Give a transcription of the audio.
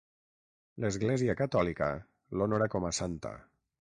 L'Església Catòlica l'honora com a santa.